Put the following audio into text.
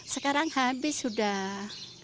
sekarang habis sudah